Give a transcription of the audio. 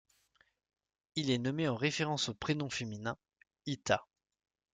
Il est nommé en référence au prénom féminin Itha.